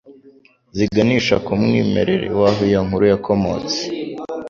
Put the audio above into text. ziganisha ku mwimereri w'aho iyo nkuru yakomotse.